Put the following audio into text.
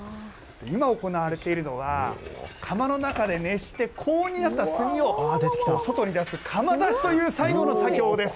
今、行われているのは、窯の中で熱して、高温になった炭を外に出す、窯出しという最後の作業です。